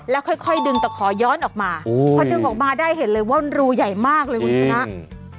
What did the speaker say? แล้วค่อยค่อยดึงตะขอย้อนออกมาโอ้พอดึงออกมาได้เห็นเลยว่ามันรูใหญ่มากเลยคุณชนะอืม